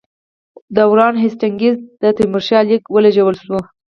د وارن هېسټینګز ته د تیمورشاه لیک ولېږل شو.